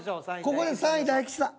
ここで３位大吉さん。